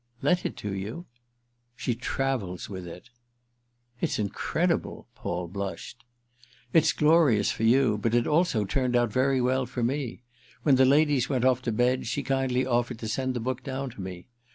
"Lent it to you?" "She travels with it." "It's incredible," Paul blushed. "It's glorious for you, but it also turned out very well for me. When the ladies went off to bed she kindly offered to send the book down to me.